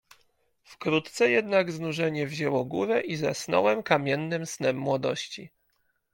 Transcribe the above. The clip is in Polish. "Wkrótce jednak znużenie wzięło górę i zasnąłem kamiennym snem młodości."